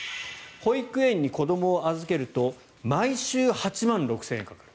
保育園に子どもを預けると毎週８万６０００円かかる。